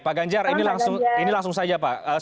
pak ganjar ini langsung saja pak